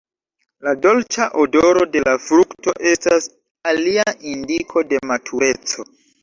La dolĉa odoro de la frukto estas alia indiko de matureco.